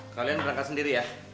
kalian berangkat sendiri ya